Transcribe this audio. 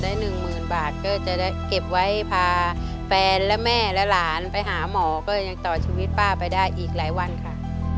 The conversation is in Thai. หนึ่งหมื่นบาทก็จะได้เก็บไว้พาแฟนและแม่และหลานไปหาหมอก็ยังต่อชีวิตป้าไปได้อีกหลายวันค่ะ